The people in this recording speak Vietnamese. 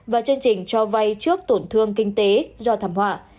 và chương trình cho vay trước tổn thương kinh tế do thảm họa